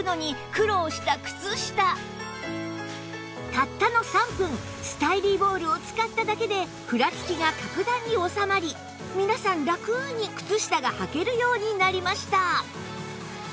たったの３分スタイリーボールを使っただけでふらつきが格段におさまり皆さんラクに靴下がはけるようになりました